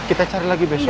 kita cari lagi besok